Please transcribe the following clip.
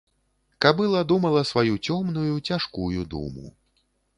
Кабыла думала сваю цёмную, цяжкую думу.